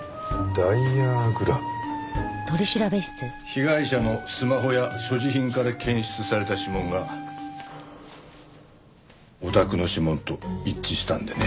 被害者のスマホや所持品から検出された指紋がおたくの指紋と一致したんでね。